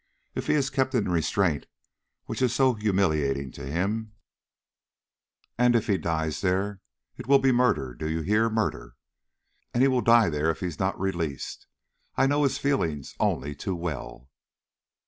If he is kept in the restraint which is so humiliating to him, and if he dies there, it will be murder do you hear? murder! And he will die there if he is not released; I know his feelings only too well."